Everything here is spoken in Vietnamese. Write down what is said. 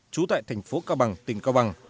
trú tại thành phố cao bằng tỉnh cao bằng